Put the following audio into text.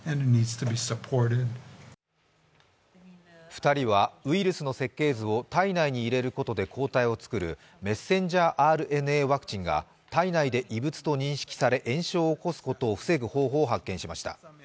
２人はウイルスの設計図を体内に入れることで抗体を作るメッセンジャーＲＮＡワクチンが体内で異物と認識され炎症を起こすことを防ぐ方法を発見しました。